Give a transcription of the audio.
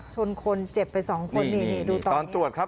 ชนคนเจ็บไปสองคนนี่นี่ดูตอนตรวจครับ